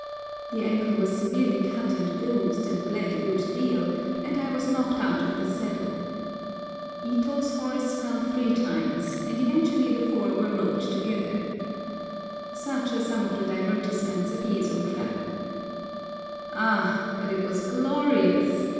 The ankle was severely cut and bruised, and bled a good deal, and I was knocked out of the saddle. Ito's horse fell three times, and eventually the four were roped together. Such are some of the divertissements of Yezo travel. Ah, but it was glorious!